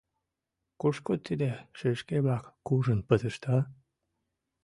— Кушко тиде шешке-влак куржын пытышт, а-а?